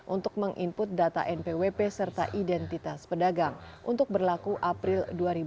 untuk meng input data npwp serta identitas pedagang untuk berlaku april dua ribu dua puluh